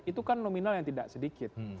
itu kan nominal yang tidak sedikit